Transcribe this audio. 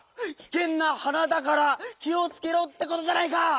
「きけんなはなだから気をつけろ」ってことじゃないか！